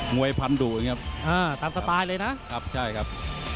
วยพันดูดครับตามสไตล์เลยนะครับใช่ครับ